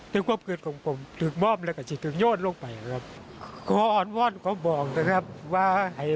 ในประพฤตภัพเขาสูญละครีชิปเลือกผมคิดว่ามันคนนิดนึงอยู่ข้างหน้า